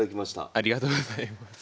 ありがとうございます。